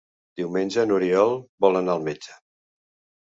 Diumenge n'Oriol vol anar al metge.